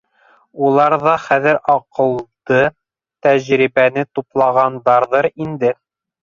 Улар ҙа хәҙер аҡылды, тәжрибәне туплағандарҙыр инде.